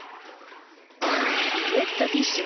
ウエットティッシュ